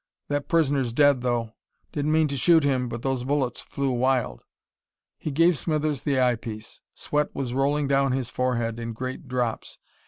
That prisoner's dead, though. Didn't mean to shoot him, but those bullets flew wild." He gave Smithers the eye piece. Sweat was rolling down his forehead in great drops.